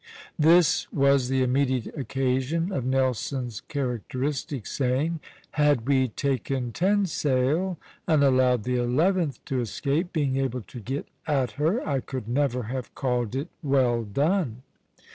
This was the immediate occasion of Nelson's characteristic saying, "Had we taken ten sail, and allowed the eleventh to escape, being able to get at her, I could never have called it well done."